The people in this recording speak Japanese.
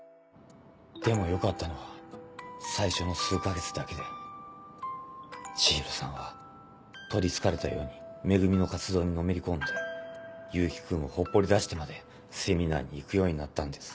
でも良かったのは最初の数か月だけで千尋さんは取り憑かれたように「め組」の活動にのめり込んで勇気君をほっぽりだしてまでセミナーに行くようになったんです。